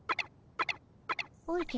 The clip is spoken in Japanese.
おじゃ。